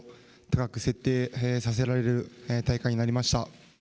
さらに目標を高く設定させられる大会になりました。